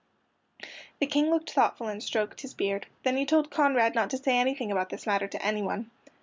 The King looked thoughtful and stroked his beard. Then he told Conrad not to say anything about this matter to anyone.